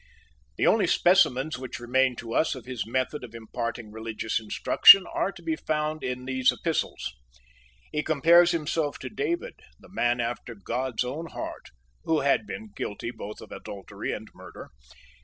The only specimens which remain to us of his method of imparting religious instruction are to be found in these epistles. He compares himself to David, the man after God's own heart, who had been guilty both of adultery and murder.